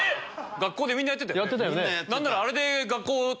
学校でみんなやってたよね。